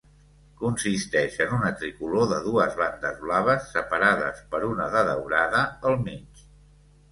Consisteix en una tricolor de dues bandes blaves separades per una de daurada al mig.